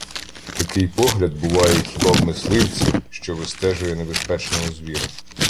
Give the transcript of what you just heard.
Такий погляд буває хіба в мисливця, що вистежує небезпечного звіра.